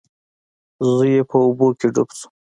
زوی یې په اوبو کې ډوب شو.